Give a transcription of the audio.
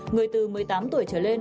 người từ một mươi tám tuổi trở lên